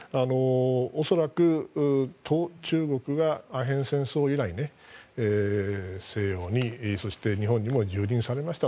恐らく、中国がアヘン戦争以来西洋に、そして日本にも蹂躙されました。